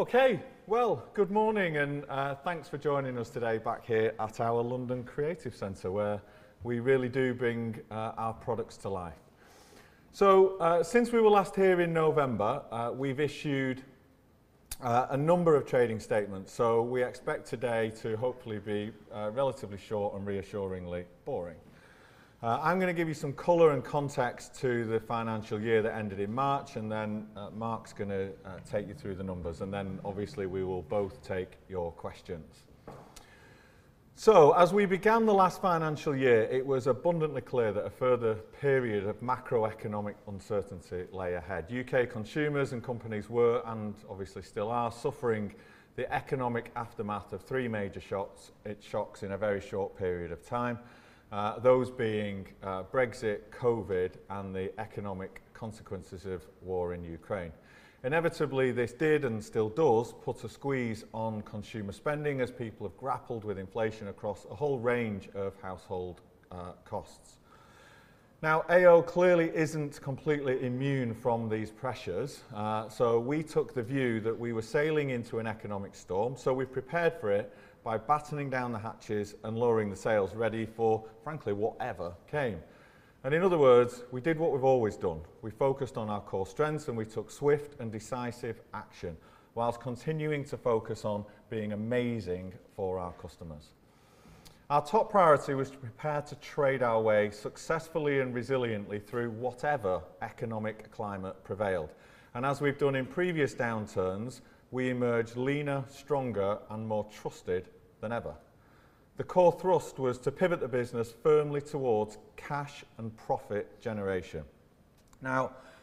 Okay, well, good morning, thanks for joining us today back here at our London Creative Center, where we really do bring our products to life. Since we were last here in November, we've issued a number of trading statements, so we expect today to hopefully be relatively short and reassuringly boring. I'm gonna give you some color and context to the financial year that ended in March, and then Mark's gonna take you through the numbers, and then obviously, we will both take your questions. As we began the last financial year, it was abundantly clear that a further period of macroeconomic uncertainty lay ahead. U.K. consumers and companies were, and obviously still are, suffering the economic aftermath of 3 major shocks in a very short period of time. Those being Brexit, COVID, and the economic consequences of war in Ukraine. Inevitably, this did and still does put a squeeze on consumer spending as people have grappled with inflation across a whole range of household costs. AO clearly isn't completely immune from these pressures, so we took the view that we were sailing into an economic storm, so we prepared for it by battening down the hatches and lowering the sails, ready for, frankly, whatever came. In other words, we did what we've always done. We focused on our core strengths, and we took swift and decisive action, while continuing to focus on being amazing for our customers. Our top priority was to prepare to trade our way successfully and resiliently through whatever economic climate prevailed. As we've done in previous downturns, we emerged leaner, stronger, and more trusted than ever. The core thrust was to pivot the business firmly towards cash and profit generation.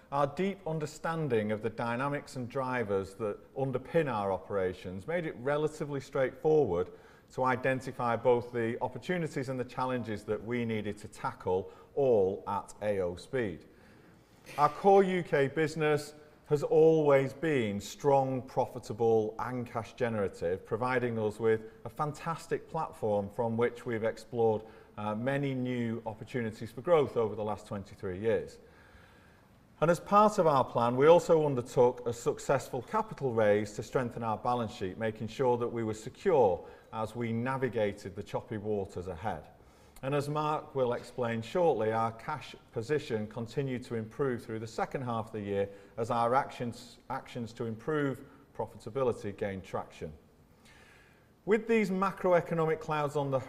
Our deep understanding of the dynamics and drivers that underpin our operations made it relatively straightforward to identify both the opportunities and the challenges that we needed to tackle, all at AO speed. Our core UK business has always been strong, profitable, and cash generative, providing us with a fantastic platform from which we've explored many new opportunities for growth over the last 23 years. As part of our plan, we also undertook a successful capital raise to strengthen our balance sheet, making sure that we were secure as we navigated the choppy waters ahead. As Mark will explain shortly, our cash position continued to improve through the second half of the year as our actions to improve profitability gained traction. With these macroeconomic clouds on the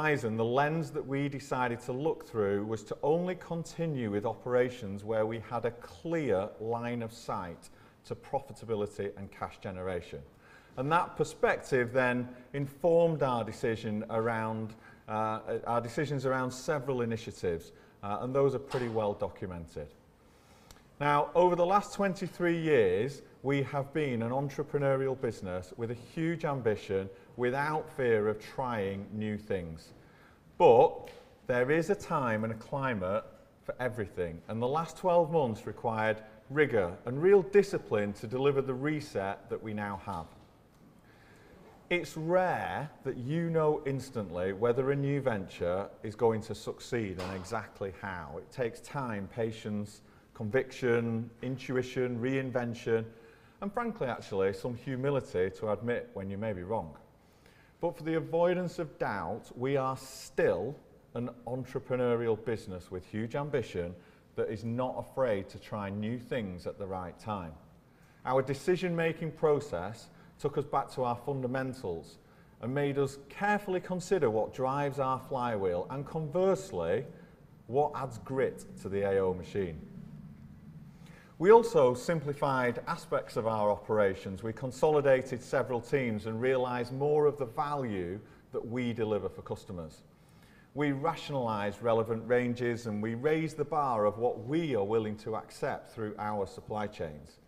horizon, the lens that we decided to look through was to only continue with operations where we had a clear line of sight to profitability and cash generation. That perspective then informed our decision around, our decisions around several initiatives, and those are pretty well documented. Over the last 23 years, we have been an entrepreneurial business with a huge ambition, without fear of trying new things. There is a time and a climate for everything, and the last 12 months required rigor and real discipline to deliver the reset that we now have. It's rare that you know instantly whether a new venture is going to succeed and exactly how. It takes time, patience, conviction, intuition, reinvention, and frankly, actually, some humility to admit when you may be wrong. For the avoidance of doubt, we are still an entrepreneurial business with huge ambition that is not afraid to try new things at the right time. Our decision-making process took us back to our fundamentals and made us carefully consider what drives our flywheel and conversely, what adds grit to the AO machine. We also simplified aspects of our operations. We consolidated several teams and realized more of the value that we deliver for customers. We rationalized relevant ranges, and we raised the bar of what we are willing to accept through our supply chains.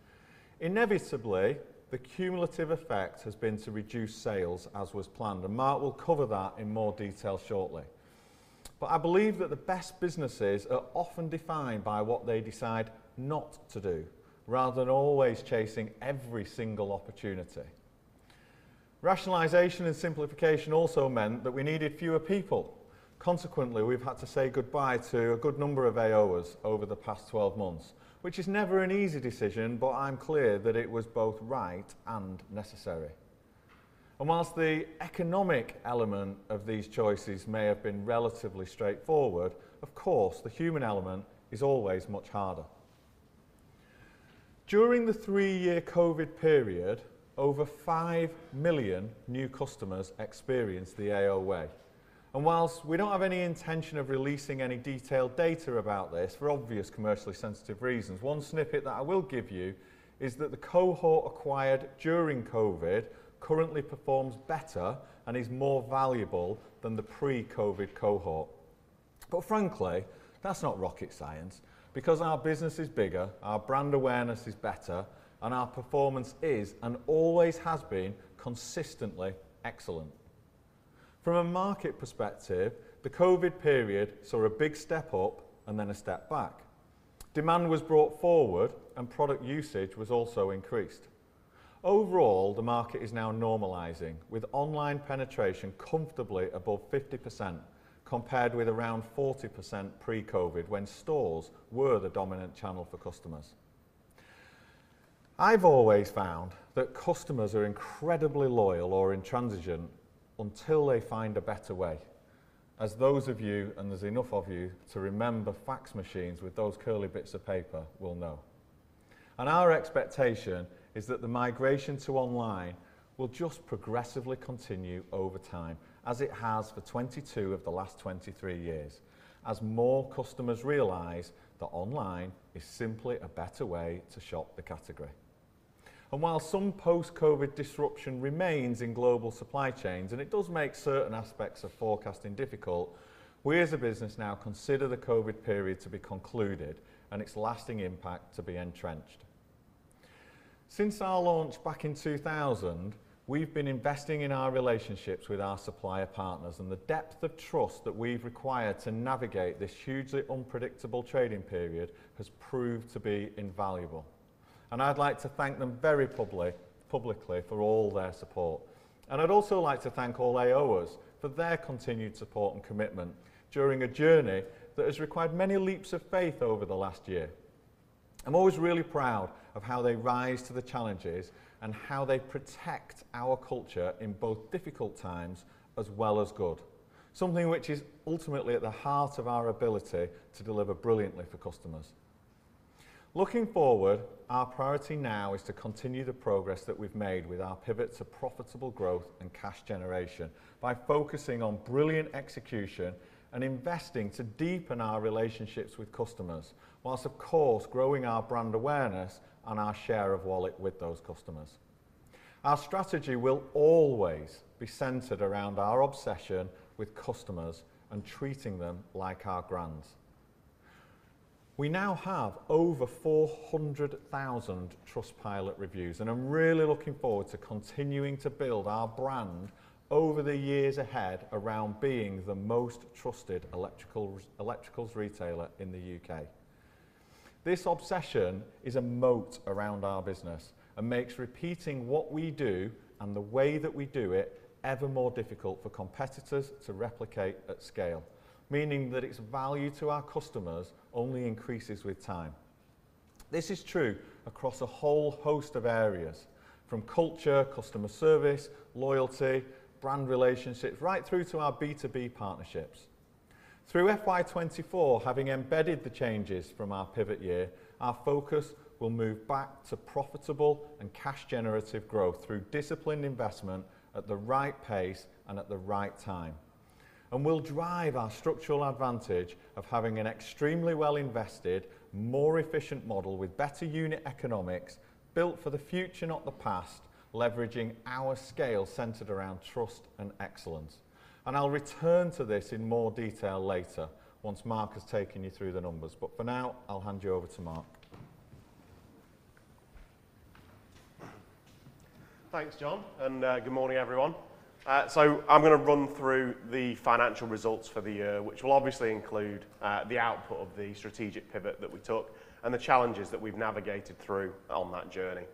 Inevitably, the cumulative effect has been to reduce sales as was planned, and Mark will cover that in more detail shortly. I believe that the best businesses are often defined by what they decide not to do, rather than always chasing every single opportunity. Rationalization and simplification also meant that we needed fewer people. Consequently, we've had to say goodbye to a good number of AOers over the past 12 months, which is never an easy decision, but I'm clear that it was both right and necessary. Whilst the economic element of these choices may have been relatively straightforward, of course, the human element is always much harder. During the 3 year COVID period, over 5 million new customers experienced the AO way, and whilst we don't have any intention of releasing any detailed data about this, for obvious commercially sensitive reasons, one snippet that I will give you is that the cohort acquired during COVID currently performs better and is more valuable than the pre-COVID cohort. Frankly, that's not rocket science because our business is bigger, our brand awareness is better, and our performance is, and always has been, consistently excellent. From a market perspective, the COVID period saw a big step up and then a step back. Demand was brought forward, product usage was also increased. Overall, the market is now normalizing, with online penetration comfortably above 50%, compared with around 40% pre-COVID, when stores were the dominant channel for customers. I've always found that customers are incredibly loyal or intransigent until they find a better way. As those of you, there's enough of you, to remember fax machines with those curly bits of paper will know. Our expectation is that the migration to online will just progressively continue over time, as it has for 22 of the last 23 years, as more customers realize that online is simply a better way to shop the category. While some post-COVID disruption remains in global supply chains, and it does make certain aspects of forecasting difficult, we as a business now consider the COVID period to be concluded and its lasting impact to be entrenched. Since our launch back in 2000, we've been investing in our relationships with our supplier partners, and the depth of trust that we've required to navigate this hugely unpredictable trading period has proved to be invaluable, and I'd like to thank them very publicly for all their support. I'd also like to thank all AOers for their continued support and commitment during a journey that has required many leaps of faith over the last year. I'm always really proud of how they rise to the challenges and how they protect our culture in both difficult times as well as good, something which is ultimately at the heart of our ability to deliver brilliantly for customers. Looking forward, our priority now is to continue the progress that we've made with our pivot to profitable growth and cash generation by focusing on brilliant execution and investing to deepen our relationships with customers, whilst, of course, growing our brand awareness and our share of wallet with those customers. Our strategy will always be centered around our obsession with customers and treating them like our brands. We now have over 400,000 Trustpilot reviews, and I'm really looking forward to continuing to build our brand over the years ahead around being the most trusted electricals retailer in the U.K.. This obsession is a moat around our business and makes repeating what we do and the way that we do it ever more difficult for competitors to replicate at scale, meaning that its value to our customers only increases with time. This is true across a whole host of areas, from culture, customer service, loyalty, brand relationships, right through to our B2B partnerships. Through FY24, having embedded the changes from our pivot year, our focus will move back to profitable and cash generative growth through disciplined investment at the right pace and at the right time. We'll drive our structural advantage of having an extremely well-invested, more efficient model with better unit economics built for the future, not the past, leveraging our scale centered around trust and excellence. I'll return to this in more detail later once Mark has taken you through the numbers, but for now, I'll hand you over to Mark. Thanks, John. Good morning, everyone. I'm gonna run through the financial results for the year, which will obviously include the output of the strategic pivot that we took and the challenges that we've navigated through on that journey.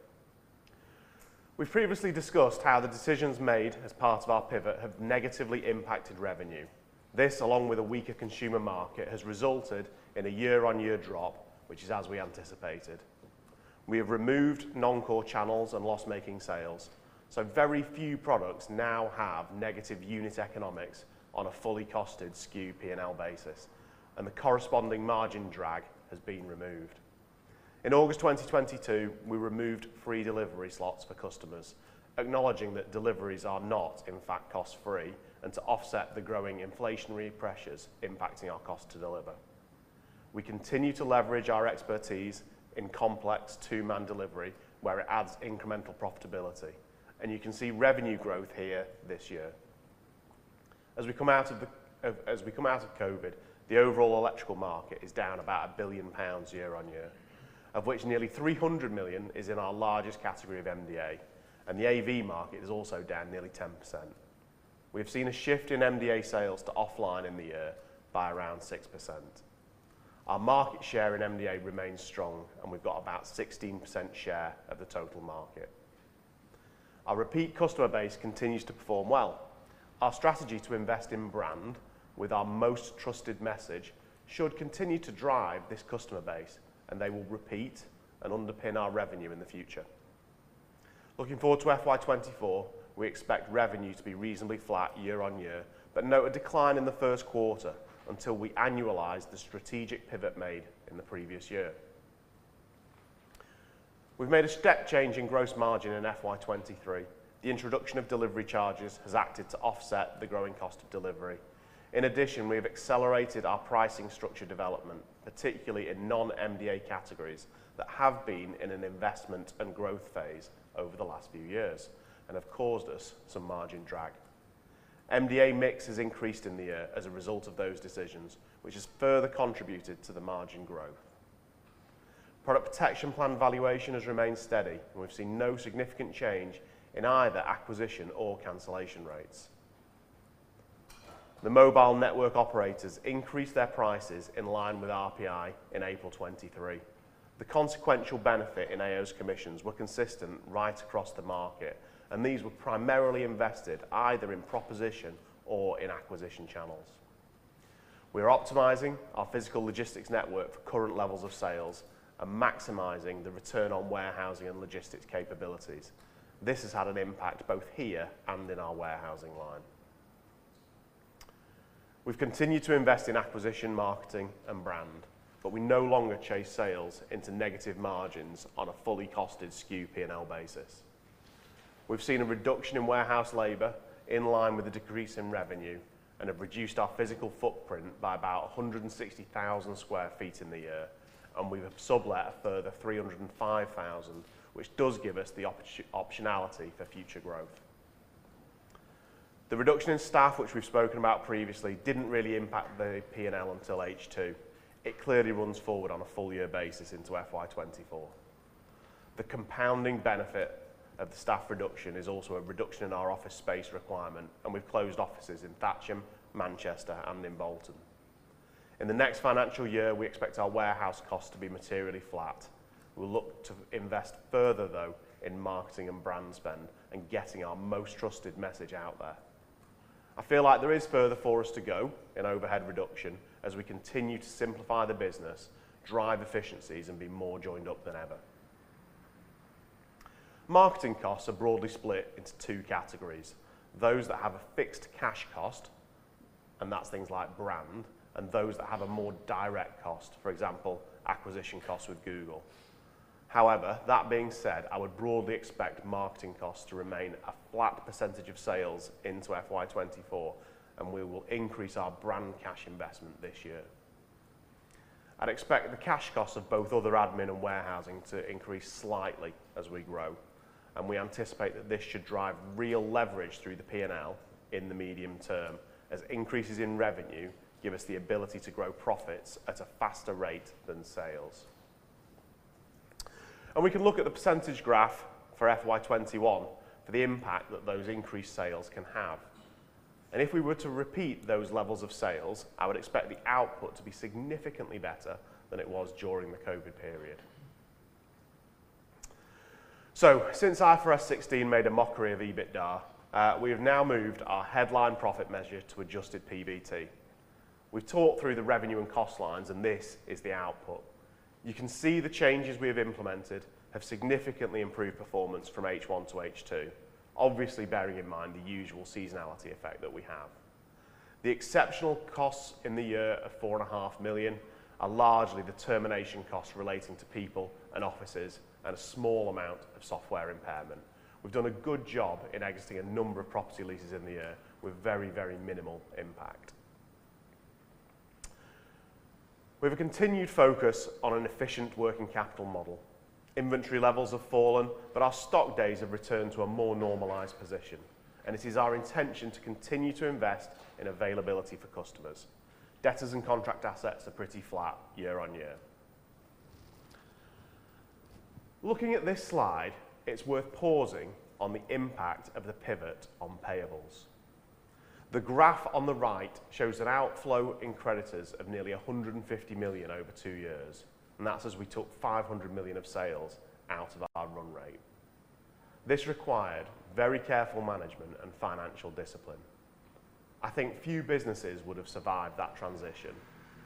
We've previously discussed how the decisions made as part of our pivot have negatively impacted revenue. This, along with a weaker consumer market, has resulted in a year-on-year drop, which is as we anticipated. We have removed non-core channels and loss-making sales. Very few products now have negative unit economics on a fully costed SKU P&L basis, and the corresponding margin drag has been removed. In August 2022, we removed free delivery slots for customers, acknowledging that deliveries are not, in fact, cost-free and to offset the growing inflationary pressures impacting our cost to deliver. We continue to leverage our expertise in complex 2 man delivery, where it adds incremental profitability, and you can see revenue growth here this year. As we come out of COVID, the overall electrical market is down about 1 billion pounds year-over-year, of which nearly 300 million is in our largest category of MDA, and the AV market is also down nearly 10%. We've seen a shift in MDA sales to offline in the year by around 6%. Our market share in MDA remains strong, and we've got about 16% share of the total market. Our repeat customer base continues to perform well. Our strategy to invest in brand with our most trusted message should continue to drive this customer base, and they will repeat and underpin our revenue in the future. Looking forward to FY 2024, we expect revenue to be reasonably flat year-on-year. Note a decline in the first quarter until we annualize the strategic pivot made in the previous year. We've made a step change in gross margin in FY 2023. The introduction of delivery charges has acted to offset the growing cost of delivery. In addition, we have accelerated our pricing structure development, particularly in non-MDA categories, that have been in an investment and growth phase over the last few years and have caused us some margin drag. MDA mix has increased in the year as a result of those decisions, which has further contributed to the margin growth. product protection plan valuation has remained steady, and we've seen no significant change in either acquisition or cancellation rates. The mobile network operators increased their prices in line with RPI in April 2023. The consequential benefit in AO's commissions were consistent right across the market, and these were primarily invested either in proposition or in acquisition channels. We're optimizing our physical logistics network for current levels of sales and maximizing the return on warehousing and logistics capabilities. This has had an impact both here and in our warehousing line. We've continued to invest in acquisition, marketing, and brand, but we no longer chase sales into negative margins on a fully costed SKU P&L basis. We've seen a reduction in warehouse labor in line with the decrease in revenue, and have reduced our physical footprint by about 160,000 sq ft in the year, and we have sublet a further 305,000 sq ft, which does give us the optionality for future growth. The reduction in staff, which we've spoken about previously, didn't really impact the P&L until H2. It clearly runs forward on a full year basis into FY 2024. The compounding benefit of the staff reduction is also a reduction in our office space requirement, and we've closed offices in Thatcham, Manchester, and in Bolton. In the next financial year, we expect our warehouse costs to be materially flat. We'll look to invest further, though, in marketing and brand spend and getting our most trusted message out there. I feel like there is further for us to go in overhead reduction as we continue to simplify the business, drive efficiencies, and be more joined up than ever. Marketing costs are broadly split into two categories: those that have a fixed cash cost, and that's things like brand, and those that have a more direct cost, for example, acquisition costs with Google. However, that being said, I would broadly expect marketing costs to remain a flat percentage of sales into FY 2024. We will increase our brand cash investment this year. I'd expect the cash costs of both other admin and warehousing to increase slightly as we grow. We anticipate that this should drive real leverage through the P&L in the medium term, as increases in revenue give us the ability to grow profits at a faster rate than sales. We can look at the percentage graph for FY 2021 for the impact that those increased sales can have. If we were to repeat those levels of sales, I would expect the output to be significantly better than it was during the COVID period. Since IFRS 16 made a mockery of EBITDA, we have now moved our headline profit measure to adjusted PBT. We've talked through the revenue and cost lines, and this is the output. You can see the changes we have implemented have significantly improved performance from H1 to H2. Obviously, bearing in mind the usual seasonality effect that we have. The exceptional costs in the year of 4.5 million are largely the termination costs relating to people and offices, and a small amount of software impairment. We've done a good job in exiting a number of property leases in the year with very, very minimal impact. We have a continued focus on an efficient working capital model. Inventory levels have fallen, but our stock days have returned to a more normalized position, and it is our intention to continue to invest in availability for customers. Debtors and contract assets are pretty flat year-on-year. Looking at this slide, it's worth pausing on the impact of the pivot on payables. The graph on the right shows an outflow in creditors of nearly 150 million over 2 years, and that's as we took 500 million of sales out of our run rate. This required very careful management and financial discipline. I think few businesses would have survived that transition,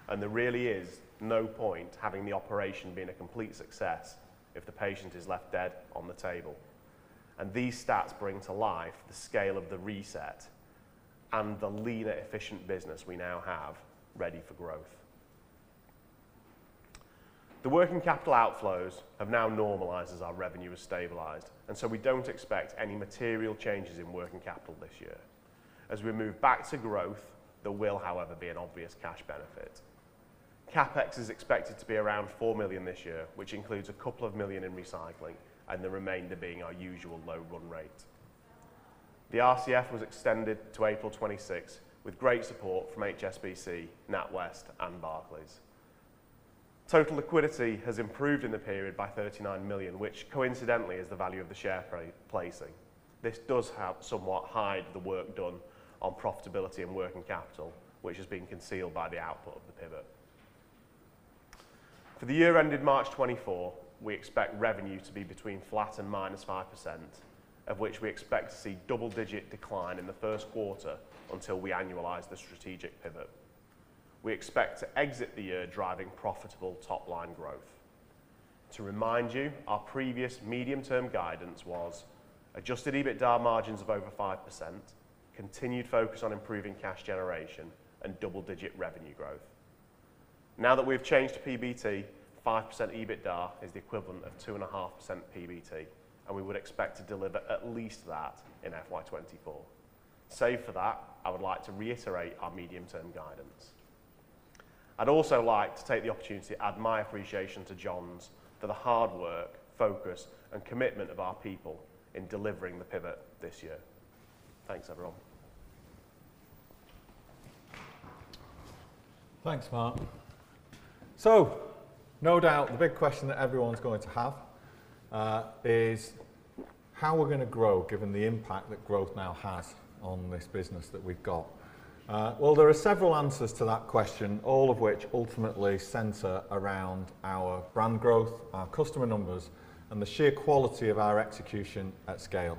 and there really is no point having the operation being a complete success if the patient is left dead on the table. These stats bring to life the scale of the reset and the leaner, efficient business we now have, ready for growth. The working capital outflows have now normalized as our revenue has stabilized, and so we don't expect any material changes in working capital this year. As we move back to growth, there will, however, be an obvious cash benefit. CapEx is expected to be around 4 million this year, which includes 2 million in recycling and the remainder being our usual low run rate. The RCF was extended to April 2026, with great support from HSBC, NatWest, and Barclays. Total liquidity has improved in the period by 39 million, which coincidentally, is the value of the share placing. This does help somewhat hide the work done on profitability and working capital, which has been concealed by the output of the pivot. For the year ended March 2024, we expect revenue to be between flat and -5%, of which we expect to see double-digit decline in the first quarter until we annualize the strategic pivot. We expect to exit the year driving profitable top-line growth. To remind you, our previous medium-term guidance was adjusted EBITDA margins of over 5%, continued focus on improving cash generation, and double-digit revenue growth. Now that we've changed to PBT, 5% EBITDA is the equivalent of 2.5% PBT, and we would expect to deliver at least that in FY 2024. Save for that, I would like to reiterate our medium-term guidance. I'd also like to take the opportunity to add my appreciation to John's for the hard work, focus, and commitment of our people in delivering the pivot this year. Thanks, everyone! Thanks Mark. No doubt the big question that everyone's going to have is how we're gonna grow, given the impact that growth now has on this business that we've got. Well, there are several answers to that question, all of which ultimately center around our brand growth, our customer numbers, and the sheer quality of our execution at scale.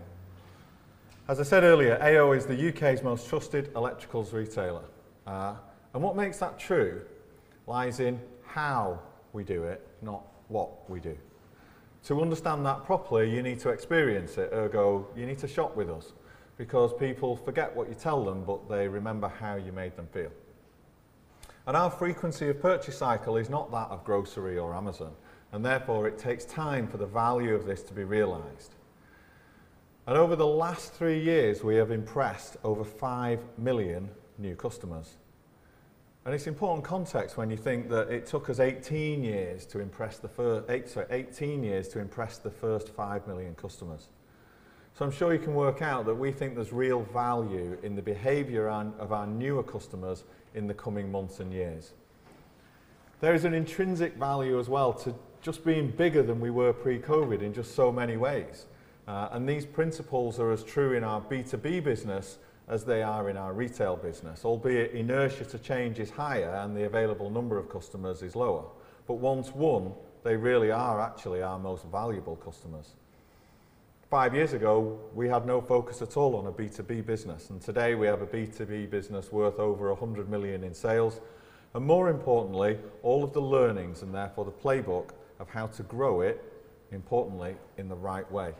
As I said earlier, AO is the U.K.'s most trusted electricals retailer, and what makes that true lies in how we do it, not what we do. To understand that properly, you need to experience it, ergo, you need to shop with us, because people forget what you tell them, but they remember how you made them feel. Our frequency of purchase cycle is not that of grocery or Amazon, and therefore, it takes time for the value of this to be realized. Over the last 3 years, we have impressed over 5 million new customers. It's important context when you think that it took us 18 years to impress the first 5 million customers. I'm sure you can work out that we think there's real value in the behavior of our newer customers in the coming months and years. There is an intrinsic value as well to just being bigger than we were pre-COVID in just so many ways. These principles are as true in our B2B business as they are in our retail business, albeit inertia to change is higher and the available number of customers is lower. Once won, they really are actually our most valuable customers. 5 years ago, we had no focus at all on a B2B business, and today we have a B2B business worth over 100 million in sales, and more importantly, all of the learnings, and therefore the playbook of how to grow it, importantly, in the right way.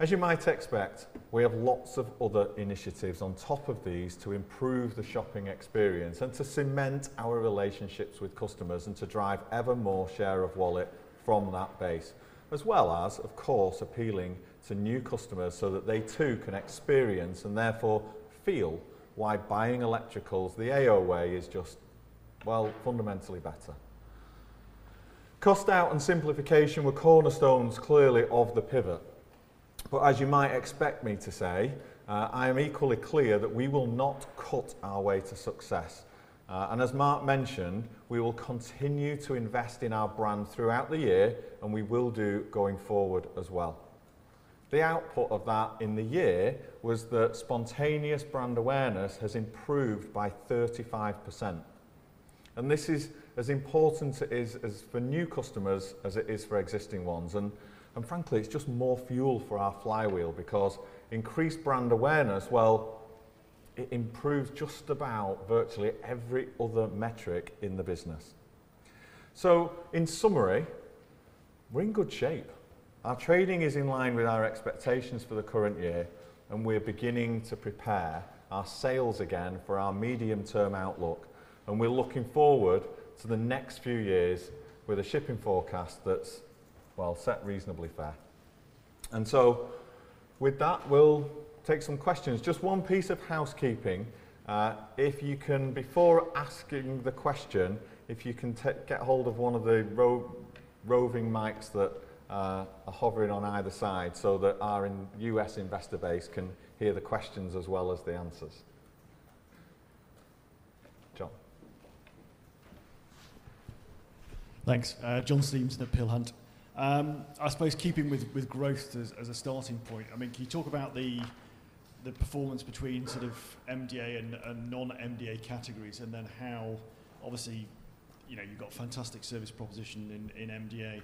As you might expect, we have lots of other initiatives on top of these to improve the shopping experience and to cement our relationships with customers, and to drive ever more share of wallet from that base, as well as, of course, appealing to new customers so that they too can experience and therefore feel why buying electricals the AO way is just, well, fundamentally better. Cost out and simplification were cornerstones, clearly, of the pivot. As you might expect me to say, I am equally clear that we will not cut our way to success. As Mark mentioned, we will continue to invest in our brand throughout the year, and we will do going forward as well. The output of that in the year was that spontaneous brand awareness has improved by 35%, and this is as important as for new customers as it is for existing ones. Frankly, it's just more fuel for our flywheel because increased brand awareness, well, it improves just about virtually every other metric in the business. In summary, we're in good shape. Our trading is in line with our expectations for the current year, and we're beginning to prepare our sales again for our medium-term outlook. We're looking forward to the next few years with a shipping forecast that's, well, set reasonably fair. With that, we'll take some questions. Just one piece of housekeeping, if you can, before asking the question, if you can get hold of one of the roving mics that are hovering on either side so that our U.S. investor base can hear the questions as well as the answers. John? Thanks. John Stevenson at Peel Hunt. I suppose keeping with growth as a starting point, I mean, can you talk about the performance between sort of MDA and non-MDA categories, and then how. Obviously, you know, you've got a fantastic service proposition in MDA.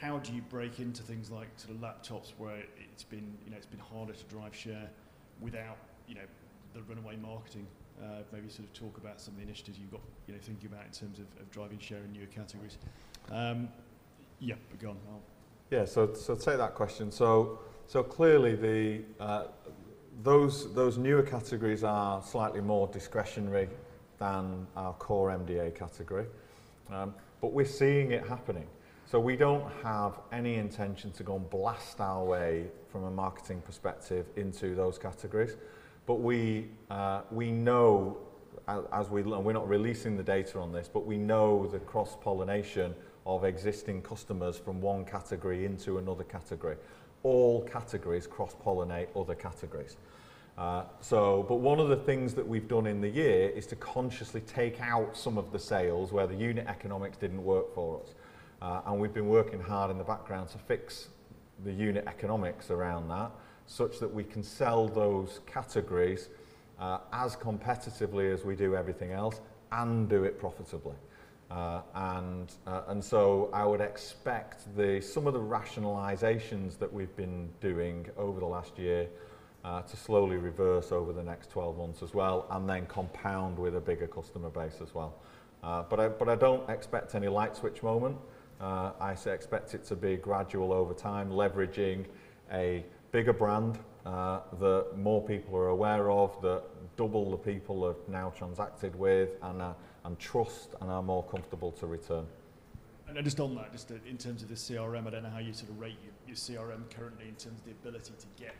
How do you break into things like to the laptops, where it's been, you know, it's been harder to drive share without, you know, the runaway marketing? Maybe sort of talk about some initiatives you've got, you know, thinking about in terms of driving share in new categories. Yeah, go on now. To take that question. Clearly, the those newer categories are slightly more discretionary than our core MDA category. We're seeing it happening. We don't have any intention to go and blast our way from a marketing perspective into those categories. We know as we We're not releasing the data on this, but we know the cross-pollination of existing customers from one category into another category. All categories cross-pollinate other categories. One of the things that we've done in the year is to consciously take out some of the sales where the unit economics didn't work for us. We've been working hard in the background to fix the unit economics around that, such that we can sell those categories as competitively as we do everything else and do it profitably. I would expect some of the rationalizations that we've been doing over the last year to slowly reverse over the next 12 months as well, and then compound with a bigger customer base as well. I don't expect any light switch moment. I expect it to be gradual over time, leveraging a bigger brand, that more people are aware of, that double the people have now transacted with, and trust and are more comfortable to return. Just on that, just in terms of the CRM, I don't know how you sort of rate your CRM currently in terms of the ability to get,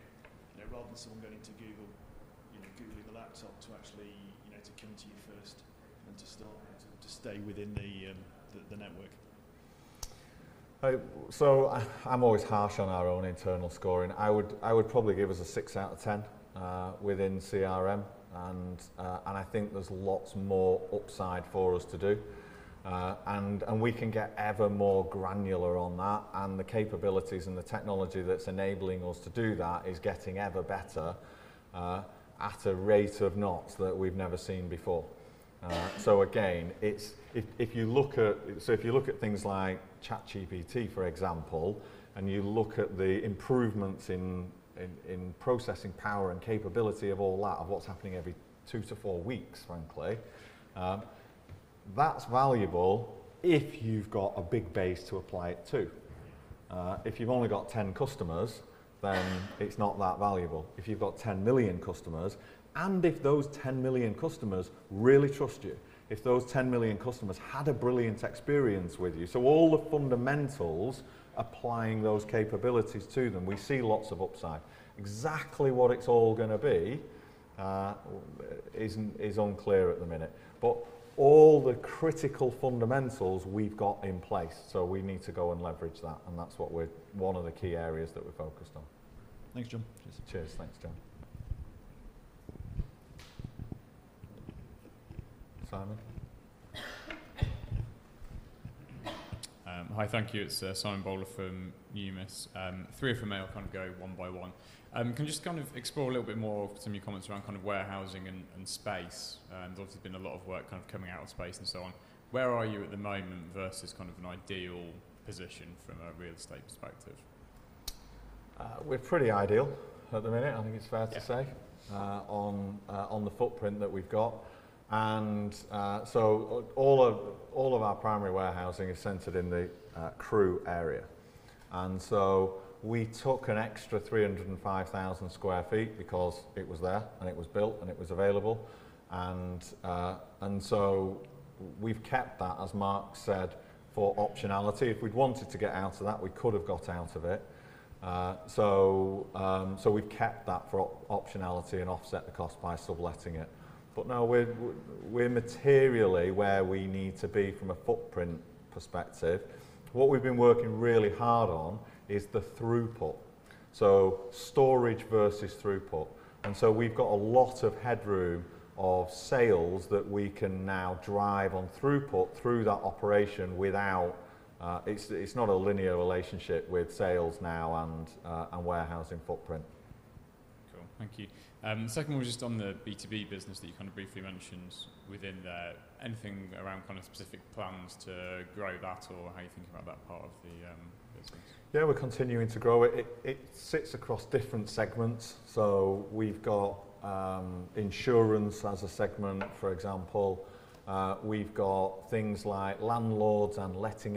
you know, rather than someone going to Google, you know, googling a laptop to actually, you know, to come to you first and to stay within the network? I'm always harsh on our own internal scoring. I would probably give us a 6 out of 10 within CRM, and I think there's lots more upside for us to do. We can get ever more granular on that, and the capabilities and the technology that's enabling us to do that is getting ever better at a rate of knots that we've never seen before. Again, if you look at things like ChatGPT, for example, and you look at the improvements in processing power and capability of all that, of what's happening every two to four weeks, frankly, that's valuable if you've got a big base to apply it to. If you've only got 10 customers, then it's not that valuable. If you've got 10 million customers, if those 10 million customers really trust you, if those 10 million customers had a brilliant experience with you, all the fundamentals, applying those capabilities to them, we see lots of upside. Exactly what it's all gonna be is unclear at the minute. All the critical fundamentals we've got in place, we need to go and leverage that, and one of the key areas that we're focused on. Thanks, John. Cheers. Thanks, John. Simon? Hi. Thank you. It's Simon Bowler from Numis. Three if I may, I'll kind of go one by one. Can you just kind of explore a little bit more some of your comments around kind of warehousing and space? Obviously, there's been a lot of work kind of coming out of space and so on. Where are you at the moment versus kind of an ideal position from a real estate perspective? We're pretty ideal at the minute, I think it's fair to say. Yeah. On the footprint that we've got. All of our primary warehousing is centered in the crew area. We took an extra 305,000 sq ft because it was there, and it was built, and it was available. We've kept that, as Mark said, for optionality. If we'd wanted to get out of that, we could have got out of it. We've kept that for optionality and offset the cost by subletting it. Now we're materially where we need to be from a footprint perspective. What we've been working really hard on is the throughput, so storage versus throughput. We've got a lot of headroom of sales that we can now drive on throughput through that operation without. It's not a linear relationship with sales now and warehousing footprint. Cool. Thank you. The second one was just on the B2B business that you kind of briefly mentioned within there. Anything around kind of specific plans to grow that or how you're thinking about that part of the business? Yeah, we're continuing to grow it. It sits across different segments. We've got insurance as a segment, for example. We've got things like small landlords and letting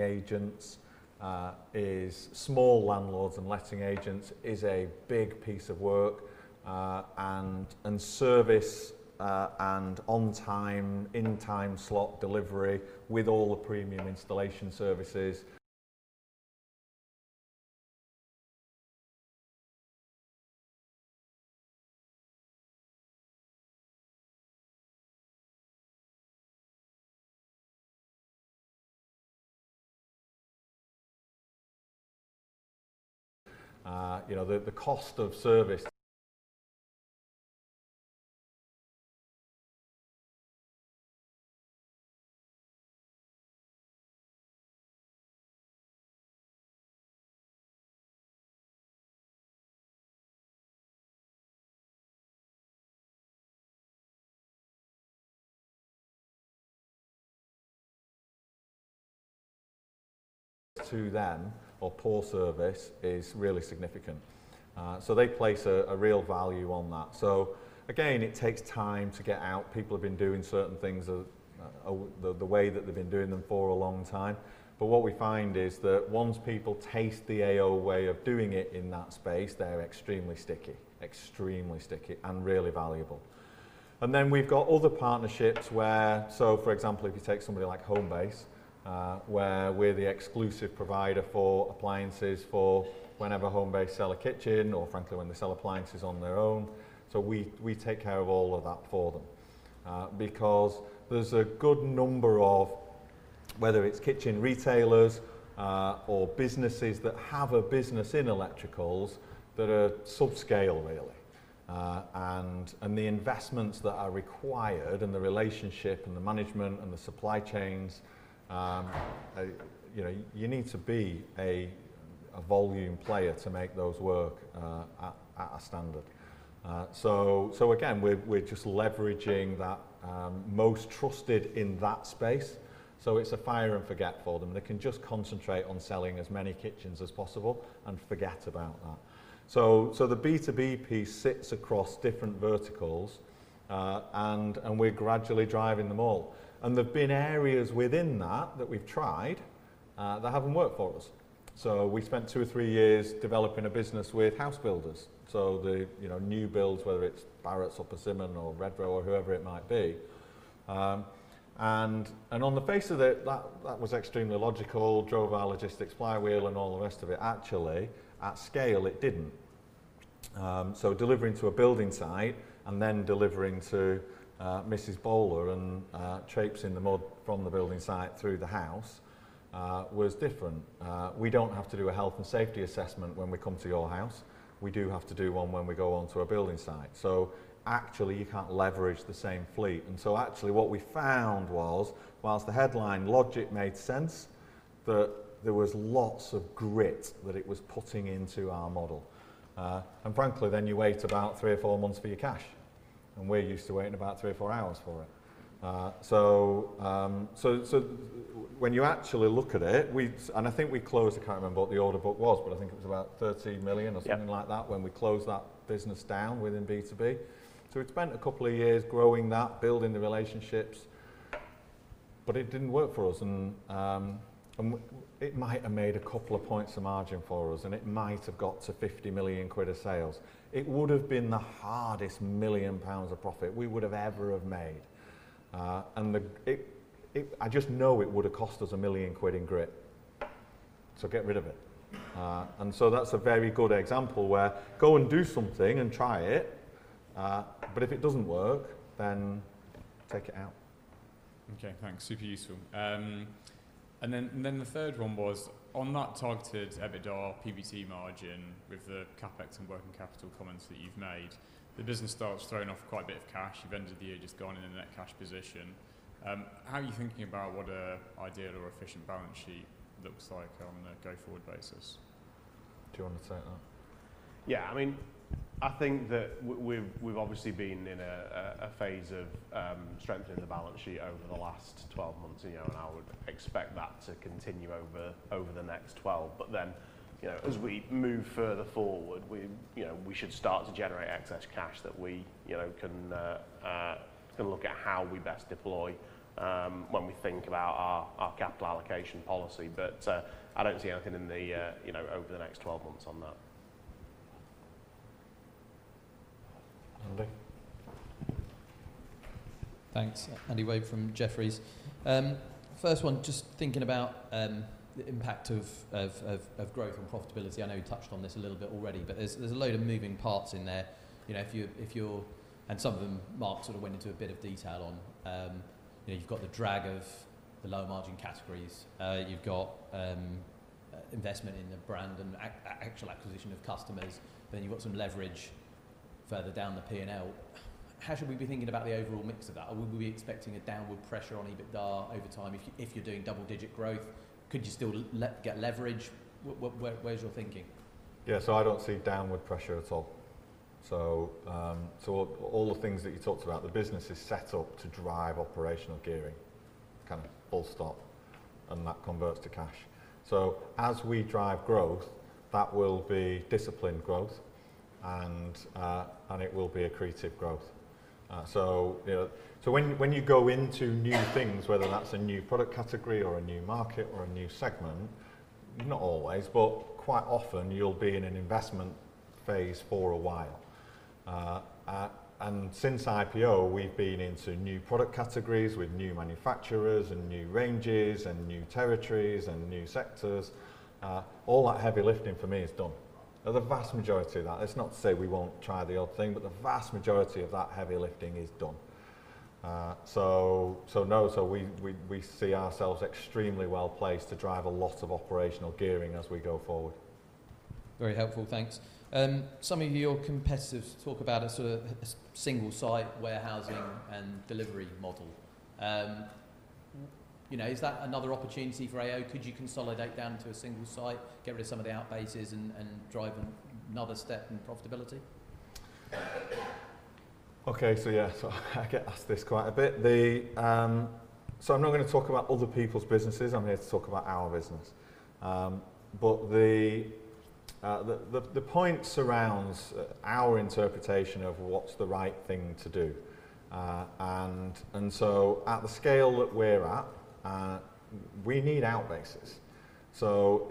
agents, is a big piece of work, and service, and on time, in time slot delivery with all the premium installation services. You know, the cost of service to them or poor service is really significant. They place a real value on that. Again, it takes time to get out. People have been doing certain things, the way that they've been doing them for a long time. What we find is that once people taste the AO way of doing it in that space, they're extremely sticky, and really valuable. Then we've got other partnerships where, For example, if you take somebody like Homebase, where we're the exclusive provider for appliances for whenever Homebase sell a kitchen or frankly, when they sell appliances on their own. We take care of all of that for them, because there's a good number of, whether it's kitchen retailers, or businesses that have a business in electricals that are subscale, really. The investments that are required and the relationship and the management and the supply chains, you know, you need to be a volume player to make those work, at a standard. Again, we're just leveraging that, most trusted in that space. It's a fire and forget for them. They can just concentrate on selling as many kitchens as possible and forget about that. The B2B piece sits across different verticals, and we're gradually driving them all. There have been areas within that that we've tried that haven't worked for us. We spent two or three years developing a business with house builders. The, you know, new builds, whether it's Barratts or Persimmon or Redrow or whoever it might be. On the face of it, that was extremely logical, drove our logistics flywheel and all the rest of it. Actually, at scale, it didn't. Delivering to a building site and then delivering to Mrs. Bowler and traipsing the mud from the building site through the house was different. We don't have to do a health and safety assessment when we come to your house. We do have to do one when we go onto a building site. Actually, you can't leverage the same fleet. Actually what we found was, whilst the headline logic made sense, that there was lots of grit that it was putting into our model. Frankly, then you wait about three or four months for your cash, and we're used to waiting about three or four hours for it. When you actually look at it, I think we closed, I can't remember what the order book was, but I think it was about 13 million. Yep. Or something like that, when we closed that business down within B2B. We spent a couple of years growing that, building the relationships, but it didn't work for us. It might have made a couple of points of margin for us, and it might have got to 50 million quid of sales. It would have been the hardest 1 million pounds of profit we would have ever have made. The, I just know it would have cost us 1 million quid in grit, so get rid of it. That's a very good example where go and do something and try it, but if it doesn't work, then take it out. Thanks. Super useful. The third one was, on that targeted EBITDA PBT margin with the CapEx and working capital comments that you've made, the business starts throwing off quite a bit of cash. You've ended the year just going in a net cash position. How are you thinking about what a ideal or efficient balance sheet looks like on a go-forward basis? Do you want to take that? Yeah, I mean, I think that we've obviously been in a phase of strengthening the balance sheet over the last 12 months, you know. I would expect that to continue over the next 12. As we move further forward, we, you know, we should start to generate excess cash that we, you know, can look at how we best deploy when we think about our capital allocation policy. I don't see anything in the, you know, over the next 12 months on that. Andy? Thanks. Andy Wade from Jefferies. First one, just thinking about the impact of growth and profitability. I know you touched on this a little bit already, there's a load of moving parts in there. You know, some of them, Mark sort of went into a bit of detail on, you know, you've got the drag of the lower margin categories, you've got investment in the brand and actual acquisition of customers, then you've got some leverage further down the P&L. How should we be thinking about the overall mix of that? Would we be expecting a downward pressure on EBITDA over time if you're doing double-digit growth, could you still get leverage? Where's your thinking? I don't see downward pressure at all. All the things that you talked about, the business is set up to drive operational gearing, kind of full stop, and that converts to cash. As we drive growth, that will be disciplined growth, and it will be accretive growth. You know, when you go into new things, whether that's a new product category or a new market or a new segment, not always, but quite often, you'll be in an investment phase for a while. Since IPO, we've been into new product categories with new manufacturers and new ranges and new territories and new sectors. All that heavy lifting for me is done. The vast majority of that. It's not to say we won't try the odd thing, but the vast majority of that heavy lifting is done. No, we see ourselves extremely well placed to drive a lot of operational gearing as we go forward. Very helpful, thanks. Some of your competitors talk about a sort of single-site warehousing and delivery model. You know, is that another opportunity for AO? Could you consolidate down to a single site, get rid of some of the outbases, and drive another step in profitability? I get asked this quite a bit. I'm not gonna talk about other people's businesses, I'm here to talk about our business. The point surrounds our interpretation of what's the right thing to do. At the scale that we're at, we need outbases. Our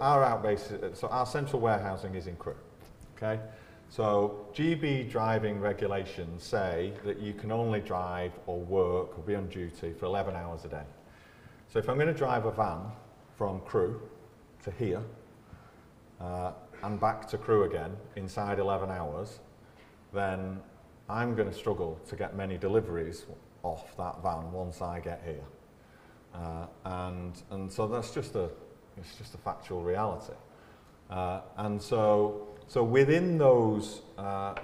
outbases, so our central warehousing is in Crewe. Okay? GB driving regulations say that you can only drive or work or be on duty for 11 hours a day. If I'm gonna drive a van from Crewe to here, back to Crewe again inside 11 hours, I'm gonna struggle to get many deliveries off that van once I get here. It's just a factual reality. Within those,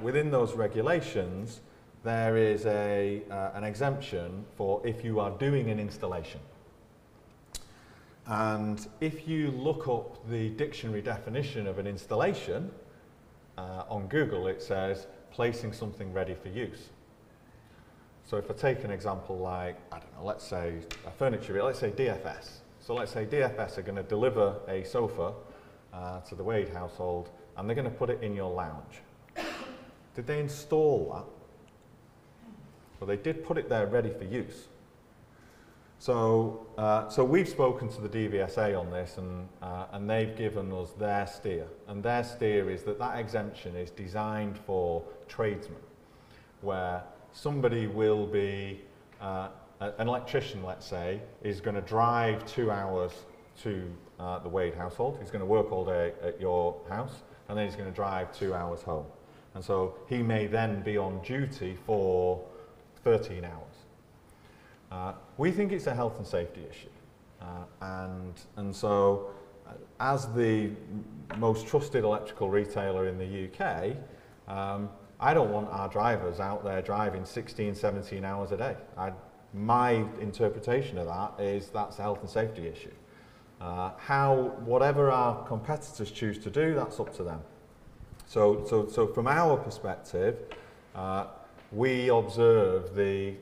within those regulations, there is an exemption for if you are doing an installation. If you look up the dictionary definition of an installation on Google, it says, "Placing something ready for use." If I take an example, like, I don't know, let's say, a furniture, let's say DFS. Let's say DFS are gonna deliver a sofa to the Wade household, and they're gonna put it in your lounge. Did they install that? Well, they did put it there ready for use. We've spoken to the DVSA on this, and they've given us their steer, and their steer is that that exemption is designed for tradesmen. Where somebody will be an electrician, let's say, is gonna drive two hours to the Wade household. He's gonna work all day at your house, and then he's gonna drive two hours home. He may then be on duty for 13 hours. We think it's a health and safety issue. As the most trusted electrical retailer in the U.K., I don't want our drivers out there driving 16, 17 hours a day. My interpretation of that is that's a health and safety issue. Whatever our competitors choose to do, that's up to them. From our perspective, we observe the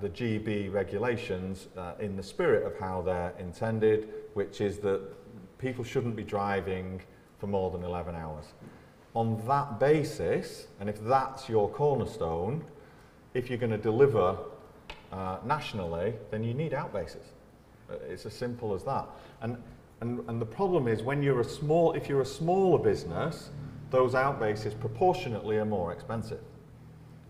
GB regulations in the spirit of how they're intended, which is that people shouldn't be driving for more than 11 hours. On that basis, and if that's your cornerstone, if you're gonna deliver nationally, then you need outbases. It's as simple as that. The problem is, when you're a smaller business, those outbases proportionately are more expensive.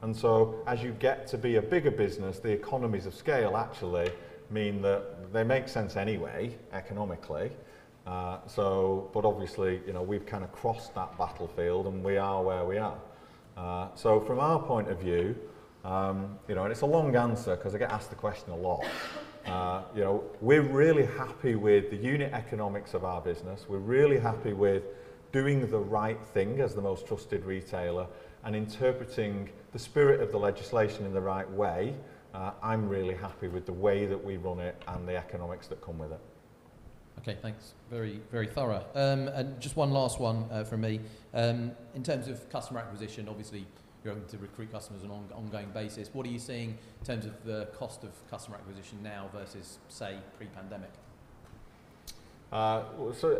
As you get to be a bigger business, the economies of scale actually mean that they make sense anyway, economically. But obviously, you know, we've kind of crossed that battlefield, and we are where we are. From our point of view, you know, and it's a long answer 'cause I get asked the question a lot. You know, we're really happy with the unit economics of our business. We're really happy with doing the right thing as the most trusted retailer and interpreting the spirit of the legislation in the right way. I'm really happy with the way that we run it and the economics that come with it. Okay thanks. Very, very thorough. Just one last one, from me. In terms of customer acquisition, obviously, you're having to recruit customers on an ongoing basis. What are you seeing in terms of the cost of customer acquisition now versus, say, pre-pandemic?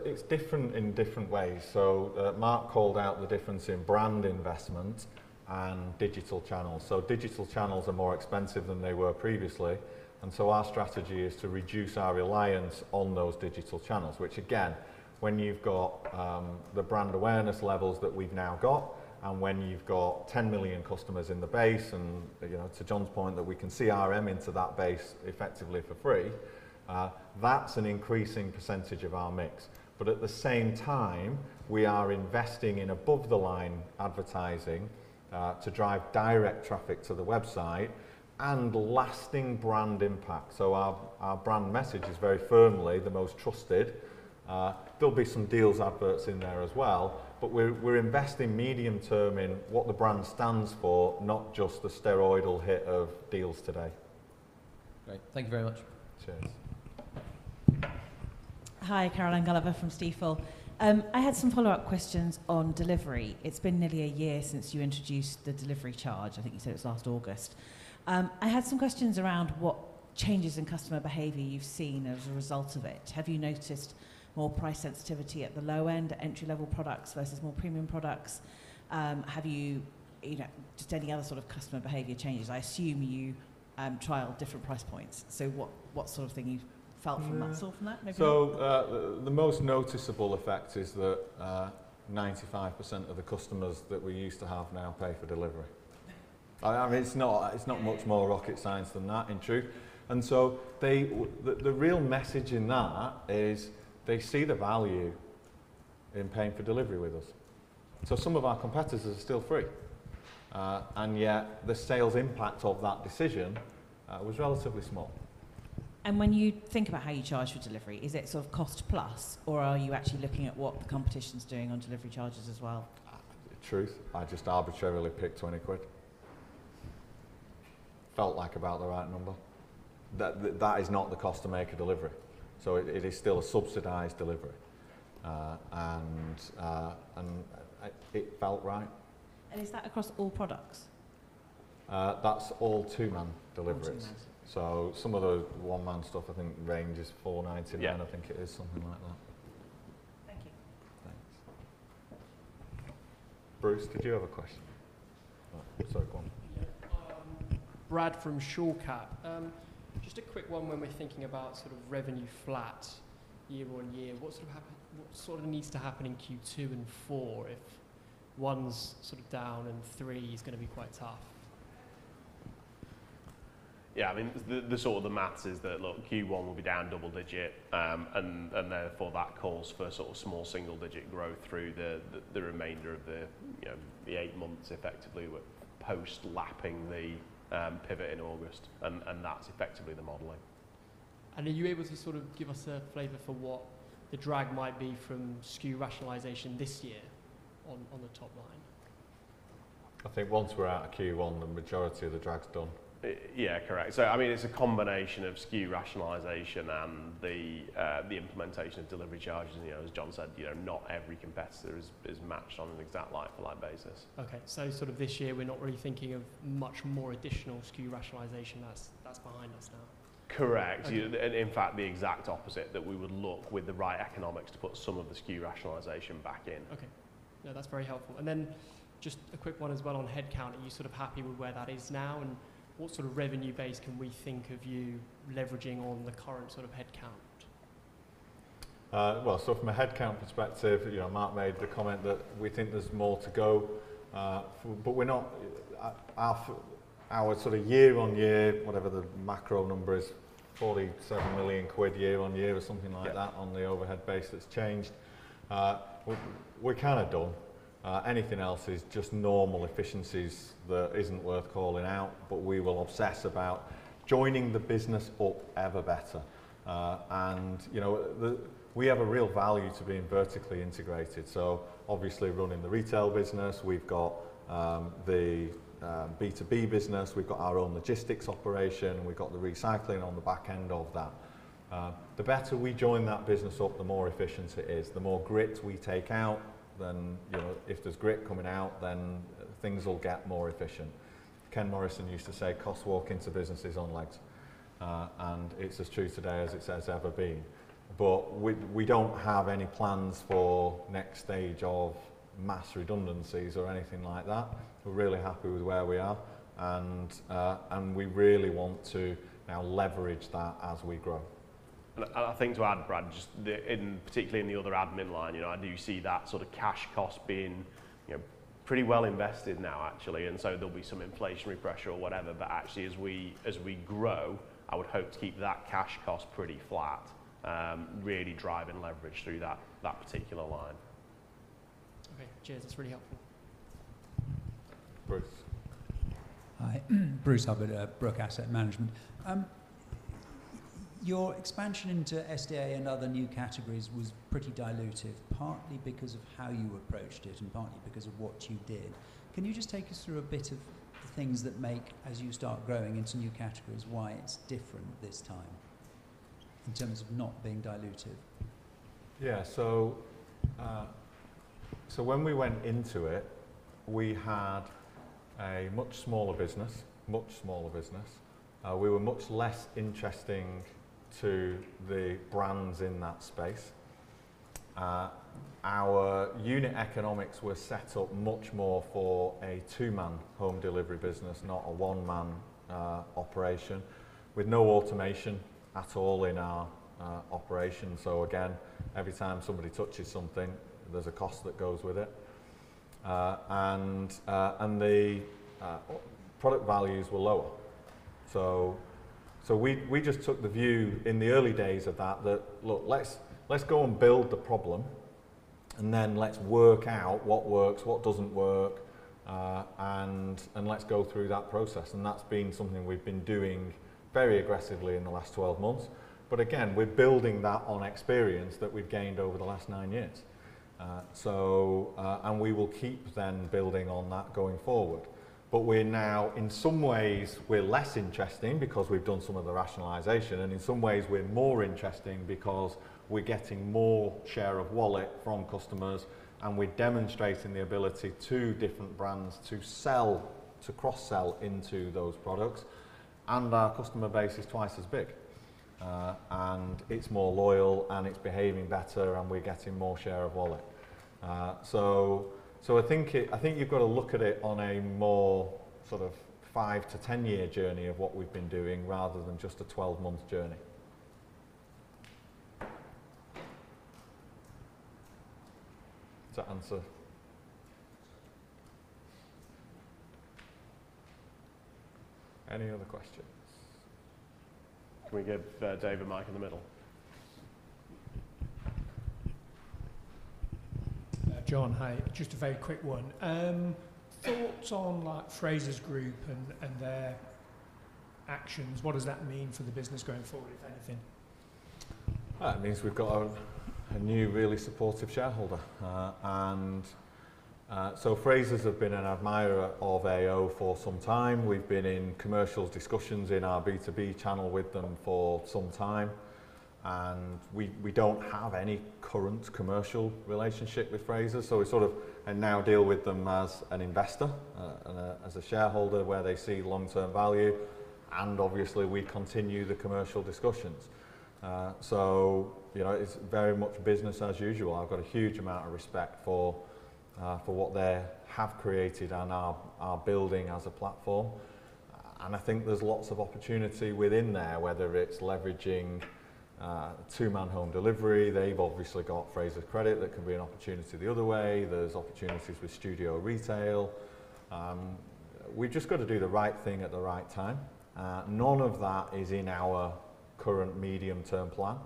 It's different in different ways. Mark called out the difference in brand investment and digital channels. Digital channels are more expensive than they were previously, and so our strategy is to reduce our reliance on those digital channels, which again, when you've got the brand awareness levels that we've now got, and when you've got 10 million customers in the base, and, you know, to John's point, that we can CRM into that base effectively for free, that's an increasing percentage of our mix. At the same time, we are investing in above-the-line advertising to drive direct traffic to the website and lasting brand impact. Our, our brand message is very firmly the most trusted. There'll be some deals adverts in there as well, but we're investing medium term in what the brand stands for, not just the steroidal hit of deals today. Great. Thank you very much. Cheers. Hi, Caroline Gulliver from Stifel. I had some follow-up questions on delivery. It's been nearly a year since you introduced the delivery charge. I think you said it was last August. I had some questions around what changes in customer behavior you've seen as a result of it. Have you noticed more price sensitivity at the low end, entry-level products versus more premium products? Have you know, just any other sort of customer behavior changes? I assume you trial different price points. What sort of thing you've felt from that? Mm. Saw from that, maybe? The most noticeable effect is that 95% of the customers that we used to have now pay for delivery. I mean, it's not, it's not much more rocket science than that, in truth. They, the real message in that is they see the value in paying for delivery with us. Some of our competitors are still free, and yet the sales impact of that decision was relatively small. When you think about how you charge for delivery, is it sort of cost plus, or are you actually looking at what the competition's doing on delivery charges as well? The truth, I just arbitrarily picked 20 quid. Felt like about the right number. That is not the cost to make a delivery, so it is still a subsidized delivery. It felt right. Is that across all products? That's all 2 man deliveries. All 2 man. Some of the 1 man stuff, I think, range is $4.99- Yeah. I think it is something like that. Thank you. Thanks. Bruce, did you have a question? Oh, sorry, go on. Yeah. Brad from Shore Capital. Just a quick one when we're thinking about sort of revenue flat year-on-year, what sort of needs to happen in Q2 and 4 if 1's sort of down and 3 is gonna be quite tough? I mean, the sort of the math is that, look, Q1 will be down double digit, and therefore, that calls for sort of small single digit growth through the remainder of the, you know, the eight months effectively. We're post-lapping the pivot in August, and that's effectively the modeling. Are you able to sort of give us a flavor for what the drag might be from SKU rationalization this year on the top line? I think once we're out of Q1, the majority of the drag's done. Yeah, correct. I mean, it's a combination of SKU rationalization and the implementation of delivery charges. You know, as John said, you know, not every competitor is matched on an exact like-for-like basis. Okay. Sort of this year, we're not really thinking of much more additional SKU rationalization, that's behind us now? Correct. Okay. Yeah, in fact, the exact opposite, that we would look with the right economics to put some of the SKU rationalization back in. Okay. No, that's very helpful. Just a quick one as well on headcount. Are you sort of happy with where that is now, and what sort of revenue base can we think of you leveraging on the current sort of headcount? Well, from a headcount perspective, you know, Mark made the comment that we think there's more to go, but we're not at our sort of year-on-year, whatever the macro number is, 47 million quid year-on-year or something like that. Yeah. On the overhead base, that's changed. We're kind of done. Anything else is just normal efficiencies that isn't worth calling out, but we will obsess about joining the business up ever better. You know, we have a real value to being vertically integrated, so obviously, running the retail business, we've got the B2B business, we've got our own logistics operation, we've got the recycling on the back end of that. The better we join that business up, the more efficient it is. The more grit we take out, then, you know, if there's grit coming out, then things will get more efficient. Ken Morrison used to say, "Cost walking to business is on legs," and it's as true today as it has ever been. We don't have any plans for next stage of mass redundancies or anything like that. We're really happy with where we are, and we really want to now leverage that as we grow. I think to add, Brad, just in particularly in the other admin line, you know, I do see that sort of cash cost being, you know, pretty well invested now, actually, and so there'll be some inflationary pressure or whatever, but actually, as we grow, I would hope to keep that cash cost pretty flat, really driving leverage through that particular line. Okay, cheers. That's really helpful. Bruce? Hi. Bruce Hubbard at Brook Asset Management. Your expansion into SDA and other new categories was pretty dilutive, partly because of how you approached it and partly because of what you did. Can you just take us through a bit of the things that make, as you start growing into new categories, why it's different this time in terms of not being dilutive? Yeah. When we went into it, we had a much smaller business. We were much less interesting to the brands in that space. Our unit economics were set up much more for a two-man home delivery business, not a one-man operation, with no automation at all in our operation. Again, every time somebody touches something, there's a cost that goes with it. The product values were lower. We just took the view in the early days of that, look, let's go and build the problem, and then let's work out what works, what doesn't work, and let's go through that process. That's been something we've been doing very aggressively in the last 12 months. Again, we're building that on experience that we've gained over the last nine years. And we will keep then building on that going forward. We're now, in some ways, we're less interesting because we've done some of the rationalization, and in some ways, we're more interesting because we're getting more share of wallet from customers, and we're demonstrating the ability to different brands to sell, to cross-sell into those products, and our customer base is twice as big. And it's more loyal, and it's behaving better, and we're getting more share of wallet. I think it, I think you've got to look at it on a more sort of five to 10-year journey of what we've been doing, rather than just a 12-month journey. Does that answer? Any other questions? Can we give, Dave a mic in the middle? John, ust a very quick one. Thoughts on, like, Frasers Group and their actions, what does that mean for the business going forward, if anything? It means we've got a new, really supportive shareholder. Frasers have been an admirer of AO for some time. We've been in commercial discussions in our B2B channel with them for some time, and we don't have any current commercial relationship with Frasers, so we sort of and now deal with them as an investor, and as a shareholder, where they see long-term value, and obviously, we continue the commercial discussions. You know, it's very much business as usual. I've got a huge amount of respect for what they have created and are building as a platform, and I think there's lots of opportunity within there, whether it's leveraging 2 man home delivery. They've obviously got Frasers Plus, that can be an opportunity the other way. There's opportunities with Studio Retail. We've just got to do the right thing at the right time. None of that is in our current medium-term plan,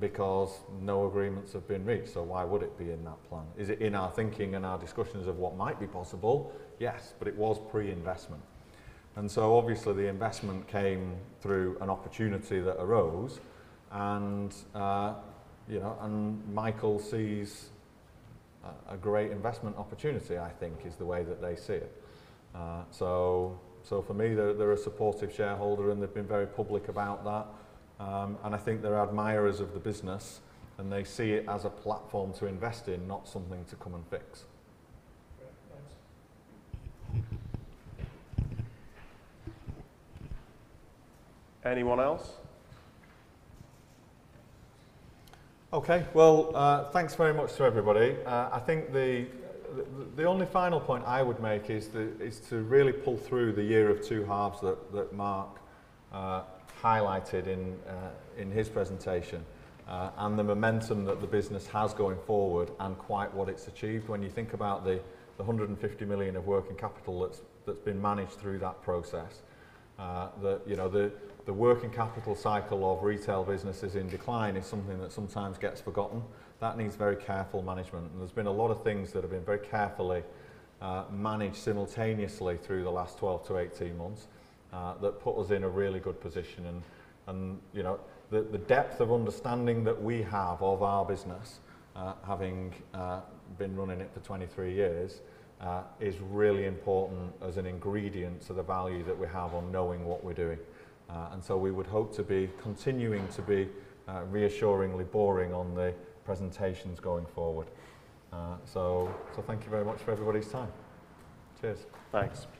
because no agreements have been reached, so why would it be in that plan? Is it in our thinking and our discussions of what might be possible? Yes, but it was pre-investment. Obviously, the investment came through an opportunity that arose, and, you know, Michael sees a great investment opportunity, I think, is the way that they see it. For me, they're a supportive shareholder, and they've been very public about that. I think they're admirers of the business, and they see it as a platform to invest in, not something to come and fix. Great, thanks. Anyone else? Okay, well, thanks very much to everybody. I think the only final point I would make is to really pull through the year of two halves that Mark highlighted in his presentation and the momentum that the business has going forward and quite what it's achieved. When you think about the 150 million of working capital that's been managed through that process, you know, the working capital cycle of retail businesses in decline is something that sometimes gets forgotten. That needs very careful management, and there's been a lot of things that have been very carefully managed simultaneously through the last 12-18 months that put us in a really good position. You know, the depth of understanding that we have of our business, having been running it for 23 years, is really important as an ingredient to the value that we have on knowing what we're doing. We would hope to be continuing to be reassuringly boring on the presentations going forward. Thank you very much for everybody's time. Cheers. Thanks.